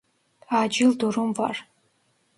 Acil durum var.